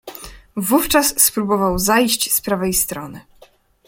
"Wówczas spróbował zajść z prawej strony."